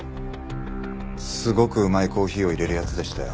すごくうまいコーヒーをいれる奴でしたよ。